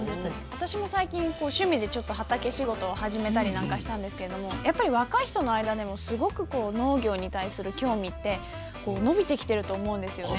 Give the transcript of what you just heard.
私も最近趣味で畑仕事を始めたりなんかしたんですけれどもやっぱり若い人の間でもすごく農業に対する興味って伸びてきてると思うんですよね。